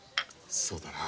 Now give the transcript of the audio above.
そうだな。